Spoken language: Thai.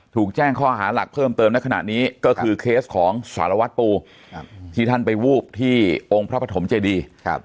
ถูกแจ้งข้อหาหลักเพิ่มเติมในขณะนี้ก็คือเคสของสารวัตรปูที่ท่านไปวูบที่องค์พระปฐมเจดี